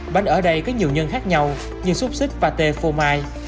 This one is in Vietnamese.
bánh ở đây có nhiều nhân khác nhau như xúc xích pate phô mai